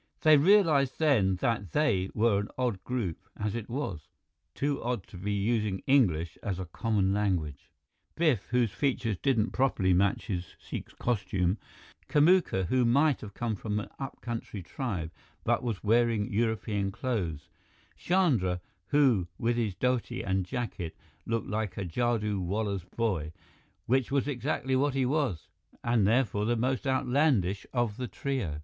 They realized then that they were an odd group as it was too odd to be using English as a common language. Biff, whose features didn't properly match his Sikh's costume; Kamuka, who might have come from an upcountry tribe, but was wearing European clothes; Chandra, who with his dhoti and jacket, looked like a jadoo wallah's boy, which was exactly what he was, and therefore the most outlandish of the trio.